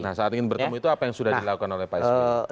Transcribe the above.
nah apa yang sudah dilakukan oleh pak sp